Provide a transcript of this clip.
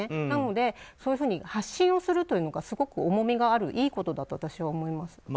なので、そういうふうに発信するのが重みがあるいいことだと私は思います。